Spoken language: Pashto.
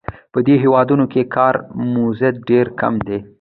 په دې هېوادونو کې کاري مزد ډېر کم دی